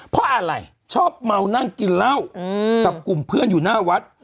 เพราะอะไรชอบเมานั่งกินเหล้ากับกลุ่มเพื่อนอยู่หน้าวัด